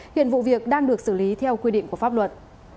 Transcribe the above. hiện vụ việc đang được xử lý theo quy định của pháp luật